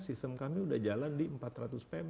sistem kami sudah jalan di empat ratus pm